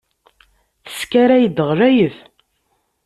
Teskaray-d ɣlayet.